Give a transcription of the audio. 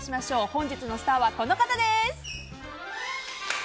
本日のスターはこの方です。